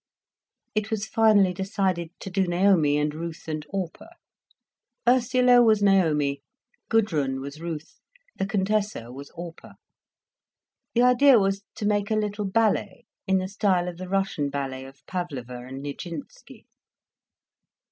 It was finally decided to do Naomi and Ruth and Orpah. Ursula was Naomi, Gudrun was Ruth, the Contessa was Orpah. The idea was to make a little ballet, in the style of the Russian Ballet of Pavlova and Nijinsky.